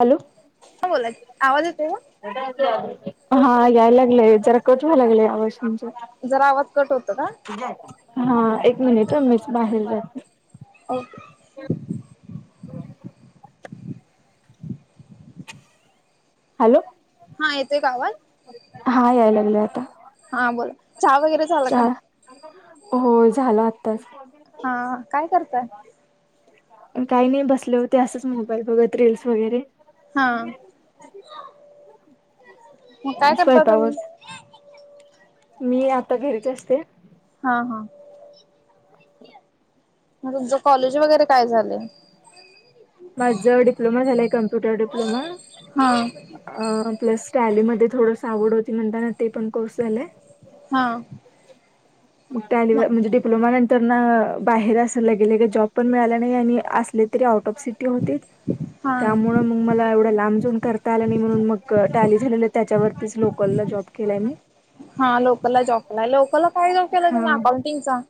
Hello. हा बोला कि. आवाज येतोय का? हा याय लागलंय. जरा कट व्हाय लागलंय आवज तुमचा. जरा आवाज कट होतो का हा. एक मिनिट हं मीच बाहेर जाते. ओके. हॅलो. हा येतोय का आवाज हा याय लागलंय आता. हा बोल. चहा वगैरे झाला का? होय. झाल आत्ताच. हा आ. काय करताय? काही नाही बसले होते असंच मोबाईल बघत रीलस वगैरे. हा. ह [unintelligible] मग काय करता तुम्ही? मी आता घरीच असते. हा. हा. मग तुमचं कॉलेज वगैरे काय झालंय? माझ डिप्लोमा झालाय. Computer diploma. हा अ प्लस टॅलीमध्ये थोडस आवड होती म्हणताना ते पण कोर्स झालाय. हा. मग टँली म ला म्हणजे डप्लोमा तरना बाहेर असं लगे लगेच जॉब पण मिळाला नाही आणि असले तरी आउट ऑफ सिटी ती होतीत हा त्यामुळ मग मला एवढं लांब जाऊन करता आलं नाही म्हणून मग टँली झालेलं त्याच्यावरतीच लोकलला जॉब केलाय मी. हा लोकलला जॉब केलाय लोकलला काय जॉब केलाय हा तुम्ही अकाउंटिंगचा.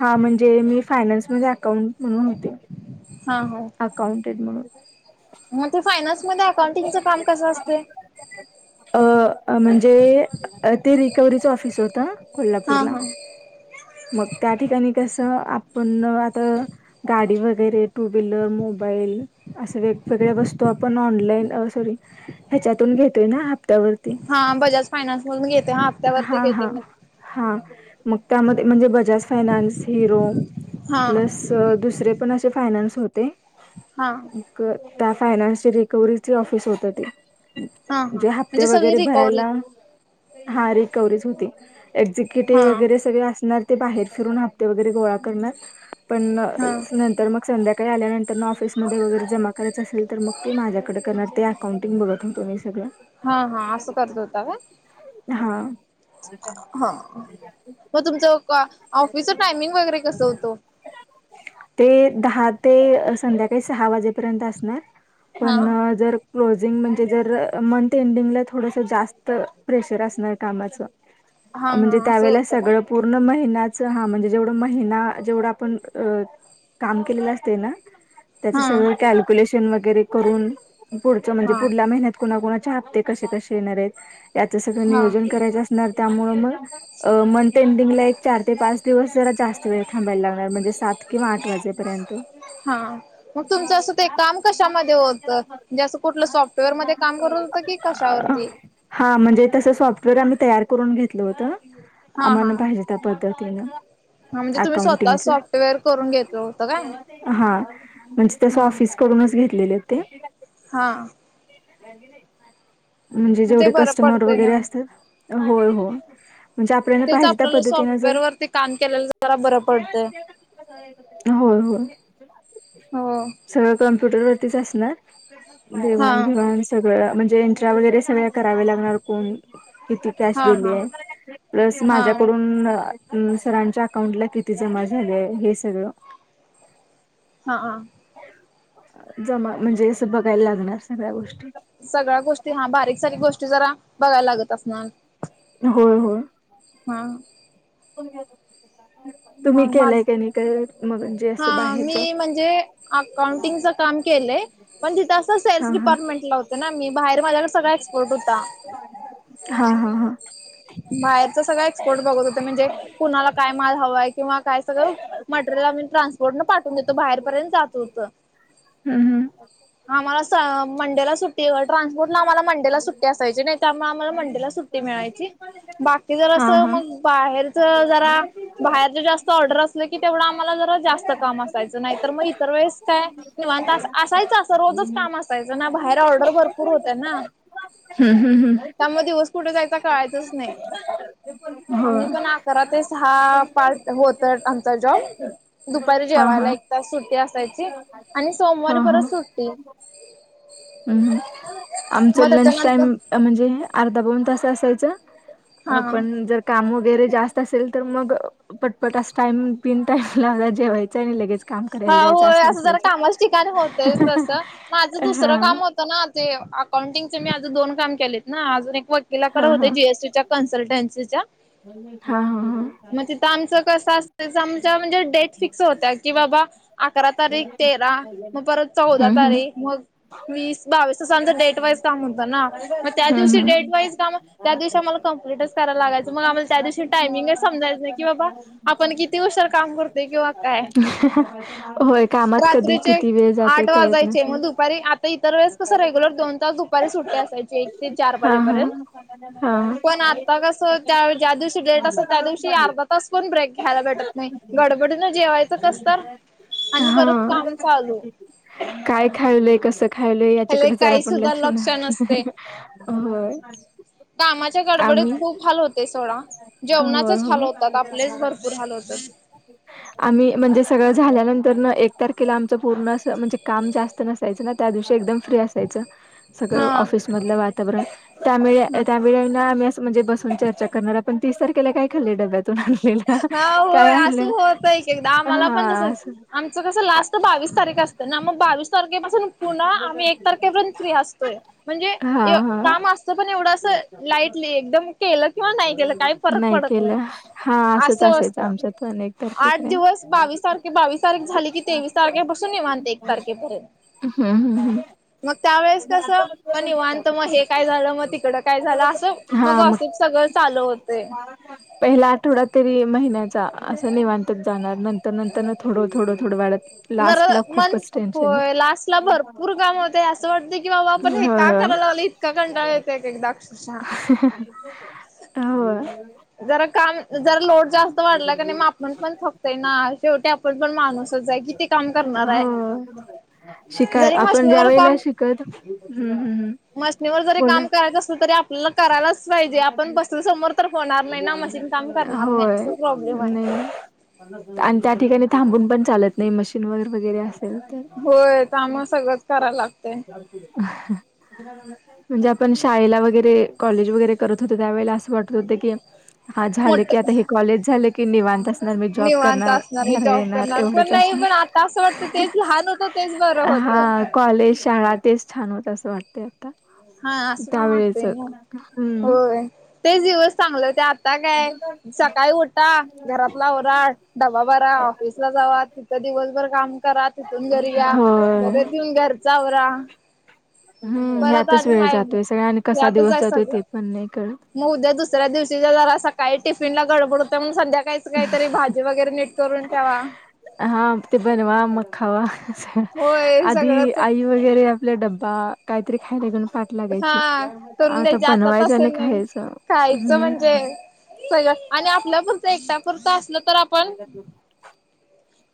हा म्हणजे मी फायनान्समध्ये अकाउंट म्हणून होते. हा हा. अकाउंटेंट म्हणून. मग ते फायनान्समध्ये अकाउंटिंगचं काम कसं असतय. अ म्हणजे ते रिकव्हरीच ऑफिस होत. आता हा कोल्हापूरला हा मग त्या ठिकाणी कसं आपण आता गाडी वगैरे टू व्हीलर मोबाईल असे वेगवेगळ्या वस्तू आप आपण आँनलाइन अ साँरी ह्याच्यातुन घेतोय ना हप्त्यावरती हा बजाज फायनान्स मधून घेते हापत्यावरती हा घेते हा मग हा मग त्यामध्ये म्हणजे बजाज फायनान्स हिरो हा प्लस त दुसरे पण असे फायनान्स होते. हा. त्या फायनान्सची रिकवर्हीची ऑफिस होत ते. हा हा म्हणजे हप्ते म्हणजे सगळी वगैरे रिकव्हरी भरायला हा रिकवरीज होती हा एक्झिक्युटिव्ह वगैरे सगळे असणार ते बाहेर फिरून हप्ते वगैरे गोळा करणार पण हा नंतर मग संध्याकाळी आल्यानंत त्यांना ऑफिसमध्ये वगैरे जमा करायचं असल तर मग ते माझ्याकडे करणार ते अकाउंटिंग बघत होतो मी सगळं. हा हा असं करत होता काय? हा. हा मग तुमच ऑफिसच टायमिंग वगैरे कसं होत ओ. ते दहा ते संध्याकाळी सहा वाजेपर्यंत असणार. हा आपण जर क्लोजिंग म्हणजे जर मंथ एंडिंगला थोडसं जास्त प्रेशर असणार कामाचं. हा म्हणजे हा असं त्यावेळेला होतं का? सगळं पूर्ण महिन्याच हा म्हणजे जेवढ महिना जेवढा आपण अ काम केलेलं असते ना त्याच हा सगळं कॅल्क्युलेशन वगैरे करून पुढच म्हणजे हा पुढल्या महिन्यात कुणाकुणाच्या हते कसे कसे येणार आहेत याचं सगळं हा नियोजन करायचं अस होणार त्यामुळे मग अ मंंथ ऐंडिगला एक चार ते पाच दिवस जरा जास्त वेळ थांबाय लागणार म म्हंजे सात किंवा आठ वाजे पर्यंत. हा कस होत म्हणजे कुठलं सॉफ्टवेअर मध्ये काम करत होतं की अ कशावरती? हा म्हणजे तसं सॉफ्टवेअर आम्ही तयार करून घेतलं होतं हा हा आम्हांना पाहिजे त्या पद्धतीनं. हा म्हणजे तुम्ही स्वतः अकाउंटिंगच सॉफ्टवेअर करून घेतलं होतं काय? हा म्हणजे तस हा ऑफिस कडूनच घेतलेले ते. हां. [unintelligible] म्हणजे मग ते जेवढे बरं कस्टमर पडतंय ना. वगैरे असतात होय हो. म्हणजे आपल्याला तेच पाहिजे त्या आपल्याला पद्धतीन जर सॉफ्टवेअर वरती काम केलेलं जरा बरं पडतंय. [unintelligible] होय होय. हो. सगळं कमप्युटर वरतीच असणार हा देवाण घेवाण सगळं म्हणजे एन्ट्री वगैरे सगळ करावे लागणार कोण किती कॅश हा हा दिलेय. प्लस हा माझ्याकडून सरांच्या अकाउंटला किती जमा झाले हे सगळं हा ह जमा म्हणजे अस बघायला लागणार सगळ्या गोष्टी सगळ्या गोष्टी हा बारीक सारीक गोष्टी जरा बघायला लागत असणार होय होय हा तुम्ही मग माझ केलाय का नाही का मगणजे हा मी म्हणजे अकाउंटिंगच काम केलंय पण तिथं हा सेल्स डिपार्टमेंट ला होता ना मी बाहेर माझ्याकडे सगळा एक्सपोर्ट होता हा हा हा हा बाहेरच सगळं एक्सपोर्ट बघत होते म्हणजे कुणाला काय माल हवाय किंवा काय सगळं मटेरियल आम्ही ट्रान्सपोर्ट न पाठवून देतो बाहेरपर्यंत जात होत हम्म हम्म आम्हाला मंडेला सुट्ट ट्रान्पोर्ट ला आम्हाला मंडेला सुट्टी असायची नाई, त्यामुळे आम्हाला मंडेलाऽ बाकी जर हा असं हा मग बाहेरच जराऽ बाहेर ज जास्त ऑर्डर असलं की तेवढं आम्हाला जरा जास्त काम असायचं,, नाही तर मग इतर वेळेस कायऽ निवांत असायचं, असं रोजच काम असायचं ना, बाहेर ऑर्डर भर हम्म हम्म त्यामुळे हम्म दिवस कुठे जायचा कळायच नाही. होय करा ते स हहा पार्ट होत आमचा जॉब दुपारी हा हा जेवायला एक तास सुट्टी असायची,, आणि हा सोमवारी परत सुट्टी हम्, हम, आमचं मग लंच टाइम,, त्याच्यानंतर म्हणजे अर्धा पाऊण तास असायच, हा पण जर काम वगैरे जास्त असेल तर मग पटपट अस टाइम, पिन टाईम लावला जेवायचा, आणि लगेच काम हा करायला जायचं होय असं जरा असायचं,, कामाच ठिकाणी होतय तसं माझं दुसरं हा काम होतं ना ते अकाउंटिंगचे मी आज दोन काम केलेत ना अजून एक व हा गिकडे होते जीएसटी च्या कन्सल्टन्सीच्या हा हा हा मग तिथं आमचं कसं असच आमच्या म्हणजे डेट फिक्स होत्या की बाबा अकरा तारीख, तेरा, मग परत चौदा हम्म हम्म तारीख, मग वीस, बावीस आस आमचं डेट वाईज काम होतं ना,, मग त्या हम्म दिवशी डेट हम्म. वाईज काम त्या दिवशी आम्हाला कंप्लीटच कराय लागायंच,, मग आम्हाला त्या दिवशी टाइमिंगच समजायच नाही,, की बाबा आपण किती उषेर काम करतोय किंवा काय? होय कामात कधी रात्रीचे किती वेळ जातोय आठ कळत वाजायचे नसेल. मग दुपारी तर इतर वेळेस कसं रेग्युलर दोन तास दुपारी सुट्टी असायची, एक ते चार हा हा वाजेपर्यंत हा. पण आता कसं,, त्या ज्या दिवशी डेट असत, त्या दिवशी अर्धा तास पण ब्रेक घ्यायला भेटत नाही. गडबडीनं जेवायचं कसतर, आणि परत हा. काम चालू, काय खायलंय? कसं खायलंय? हले त्याच्याकडे जर काही आपण सुद्धा लक्ष न, नसते होय,, कामाच्या आम्ही गडबडीत खूप हाल होतय सोडा,, होय जेवणाचेच हाल होतात,, आपलेच भरपूर पूल हाल होतय. ह आम्ही, म्हणजे सगळं झाल्यानंतरन, एक तारखेला आमचं पूर्ण असं, म्हणजे काम जास्त नसायचं ना, त्या दिवशी एकदम. फ्री असायच, सगळ हा ऑफिसमधलं वातावरण, त्यामुळ आम्ही असं म्हणजे, बसून चर्चा करणार, आपण तीस तारखेला काय खालंय डब्यातून आणलेलं हां होय, काय असं आणलेलं होतय एक एकदा,, आम्हाला पण तस, हा असं आमचं कस लास्ट बावीस तारीख असत तर ना मग बावीस. तारखेपासून पुन्हा आम्ही एक तारखेपर्यंत फ्री असतोय म्हणजे हा हा काम असतं पण एवढं अस. लाईटली एकदम केलं किंवा नाही केलं काही फरक पडत नाही. केलं हा असंच असं असायचं आमच्यात पण एक आसतंआठ तारखेपर्यंत दिवस बावीस तारीख, बावीस तारख झाली की तेवीस. तारखेपासून निवांत एक तारखेपर्यंत. हम्म, हम्, हम. मग त्यावेेळेस कसंपण निवांत मग हे काय झालं, मग तिकड काय झालं असं. मग असे सगळं चालू होतेय. पहिला आठवडा तरी महिन्याचा, असं निवांतक जाणार, नंतर त्या नंतर ोडं, थोड, थोडं वाढत. नर लास्ट ला मन, खूपच टेन्शन येत होय लास्ट ला भरपूर काम होतअसं वाटतय की बाबा आपण होय हे का करायला लागलोय इतका कंटाळ येतय एक एकदा. ससा. होय. जरा काम जरा लोड जास्त वाढला क नाही मा आपण पण फकतय ना शेवटी आपण पण माणूसच आहे हो किती काम करणार आहे शिका जरी आपण ज्या मशनीवर वेळेला काम श हम्म हम् हम्. मशनीवर जरी काम करायचं असेल तरी आपल्याला करायलाच पाहिजे. पण पसू समोर तर होणार नाही ना मशीन काम करणार नाही होय असं प्रॉब्लेम आहे. नाही आणि त्या ठिकाणी थांबून पण चालत नाही मशीन वगैरे वगैरे असेल. तर होय तम सगळंच कराव लागतंय. म्हणे आपण शा वगर कॉ मोठ [unintelligible] कि निवांत असणार मी जॉब निवांत करणार असणार आहे घर जॉब येणार करणार पण एवढंच नाही पण आता असं वाटतं असणार. तेच लहान होतं तेच बरं ह होत. कॉलेज शाळा तेच छान होत असं वाटते. हा अस असु पण वातेन हम्म. वय तेच दिवस चांगलं हुतं आता काय सकाळी उठा घरातला आवरा. डबा बरा, ऑफिसला जावा, तिथं दिवसभर काम करा. ून घरी या,, होय परत एउन घरच आवरा. हम्म परत यातच आणि वेळ काय जातोय सगळ आणि कसा यातच दिवस आहे जातोय सगळं. ते पण नाही कळत. मग उद्या दुसऱ्या दिवशीच्या जरा सकाळी टिफिनला गडबड होत मग संध्याकाळी काहीतरी भाजी वगैरे नीट करून ठेवा. हा ते बनवा मग खावा सग होय आधी सगळंच आई. गरे आपल्या डबबा काहीरी खायला घेऊ. लागायची हा करून आता द्यायचे बनवायच नाही तसं खायच हम्. सगळ आणि आपल्यापरचं एकट्यापरचं असलं तर आपण महि तु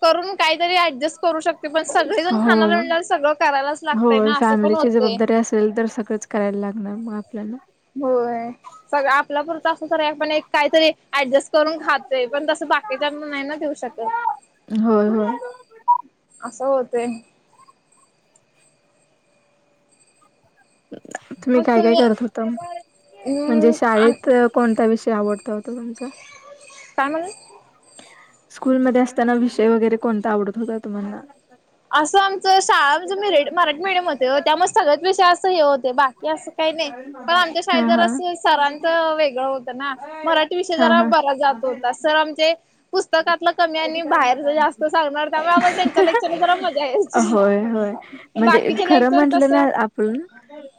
करून काहीतरी ऍडजस्ट करू शकत. पण सगळेजण खाण्या ज होय म्हला सगळं करायलाच लागतय ना असं पण होते. असल तर सगळंच करायला लागणार मग आपल्याला होय. सग आपला पुरतं असं त पण काहीतरी ऍडजस्ट करून खातय पण तसं बाकीच्या नाही ना देऊ शकत. होय होय. असं होतंय. तुम्ही काय काय करत होत म्हणजे अम् शाळेत कोणता्या विषयी आवडता होत तुमचा? का म्हण. स्कूलमध्येध्ये असताना विषय वगैरे कोणता आवडत होता तुम्हाला असं आमच शाळा [unintelligible] म मराठी मॅडम होते त्यामुळे सगळ्यात विषय असं हे होत. बाकी अस काही नाही पण आमच्या हा शाळेत जर हा अस सरांच वेगळं होतं ना मराठी ते विषय हा जरा हा बरा जात होता सर आमचे पुस्तकातल कमी आणि बाहेर जा तो सांगणार त्यामुळ आम्हाला त्यांच्या लेक होय होय, म्हणजे बाकीचे खरं लेक्चर म्हंटलं ना कसं आपण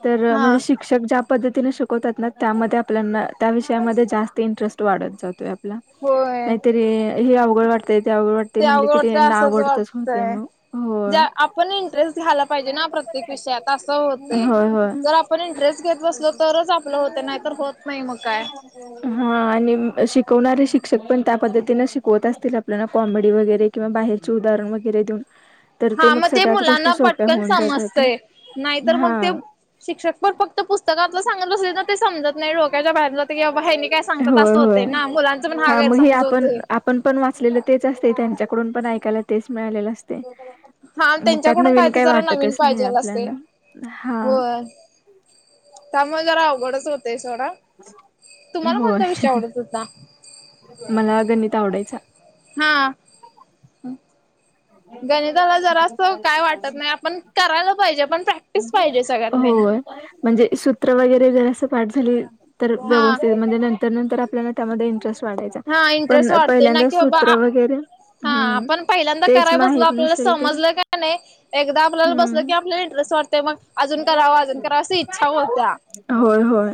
तर हा म्हणजे शिक शिक्षक ज्या पद्धतीने शिकवतात ना त्यामध्ये आपल्याना त्या विषयामध्ये जास्त इंटरेस्ट वाढत जातोय. होय नाहीतरी हे अवघड वाटतय ते अवघड वाट ते आवडतं असंच वाटतय होय ज आपण इंटरेस्ट घ्यायला पाहिजे ना प्र ते कशे आता असं होतय. होय होय जर आपण इंटरेस्ट घेत बसलो तरच आपलं होत नाहीत होत नाही मग काय. हा आणि शिकवणारे शिक्षक पण त्या पद्धतीन शिकवत असतील आपल्याला कॉमेडी वगैरे. किंवा बाहेरचे उदाहरण वगैरे देऊन. तर हा मग ते सगळ्याच मुलांना गोष्टी सोप्या पटकन होऊन जातात समजतय नाहीतर मग हा ते शिक्षक पण फक्त पुस्तकातल सांगत बसले ना ते समजत नाही डोक्याच्या बाहेर जाते किंवा हेनी काय सगतात अस होय असं होतंय होय ना मुलांचा पण हा गैर समज होतोय. पण पण वाचलेलं तेच असते त्यांच्याकडून पण ऐकायला तेच मिळालेलं असतंय. हा मग त्यात त्यांच्याकडून नवीन काय तर काही जरा नवीन वाटतच नाही पाहिजेल असते आपल्याना हा. होय त्यामुळे जरा अवघडच होतय सोडा, तुम्हाला होय कोणता विषय आवडत होता. मला गणित आवडायचा. हा. गणिताला जरा अस काय वाटत नाही आपण करायला पाहिजे पण प्रॅक्टिस पाहिजे सगळ्यात मेन. होय म्हणजे सूत्र वगैरे जर असं पाठ झाली तर हा व्यवस्थित म्हणजे नंतर त्या नंतर आपल्याला त्यामध्ये इंटरेस्ट वाटायचं हा पण इंटरेस्ट वाढते ना पहिल्यांदा की सूत्र बाबा वगैरे, हा हम्. आपण पहिल्यांदा कराय बसलो आपल्याला समजलं काय नाही एकदा आपल्याला बसलं हम्म की आपल्याला इंटरेस्ट वाटते मग अजून कराव अजून कराव अशी इच्छा होत्या, होय होय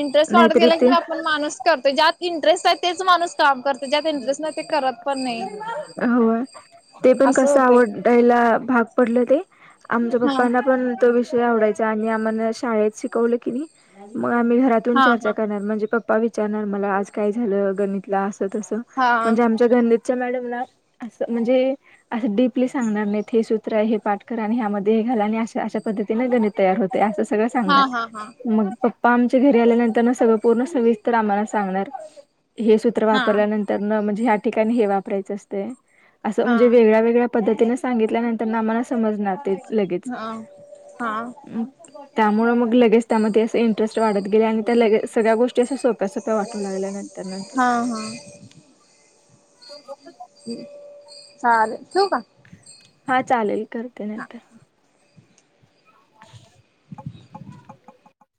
इंटरेस्ट वाढत नाहीतरी गेला की ते म पण माणूस करतो ज्यात इंटरेस्ट तेच माणूस काम करत ज्यात इंटरेस्ट नाही ते करत पण नाही. ते पण असं कस होतय. आवड ला भाग पडलं ते आमच्या हा पप्पांना पण तो विषय आवडाय चा आणि आम्हाना शाळेत शिकवलं की नाही मग आम्ही घरातून हा चर्चा हा करणार म्हणजे पापा विचा [unintelligible] मला आज काय झालं गणितला असं तसं हा म्हणजे आमच्या गणितच्या मॅडमला असं म्हणजे असं डीपली सांगणार नाहीत हे सूत्र आहे हे पाठ करा आणि ह्यामध्ये हे घाल आणि अशा पद्धतीने गणित तयार होते असं सगळं सांगणार, हा हा हा मग पप्पा आमच्या घरी आल्यानंतर सगळं पूर्ण सविस्तर आम्हाला सांगणार हे सूत्र हा वापरल्यानं तर म्हणजे ह्या ठिकाणी हे वापरायचं असतय, असं हा म्हणजे वेगळ्या वेगळ्या पद्धतीने सांगितल्या नंतर न आम्हला समजणार ते लगेच. हा हा त्यामुळे मग लगेच त्यामध्ये असे इंटरेस्ट वाढत गेले आणि त्या लगेच सगळ्या गोष्टी असं सोप सोप्या वाटू लागल्या नंतर नंतर. हा हां. [unintelligible] चाले ठेवू का? हा चालेल करते हा. नंतर. [inaudible]